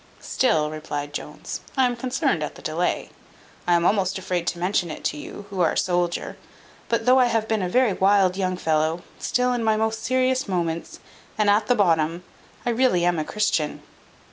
"Still," replied Jones, "I am concerned at the delay. I am almost afraid to mention it to you who are a soldier; but though I have been a very wild young fellow, still in my most serious moments, and at the bottom, I am really a Christian."